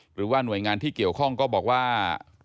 หรือว่าหน่วยงานที่เกี่ยวข้องก็บอกว่า